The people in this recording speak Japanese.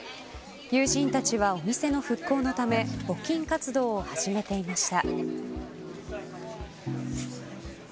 友人たちは、お店の復興のため募金活動を始めていました。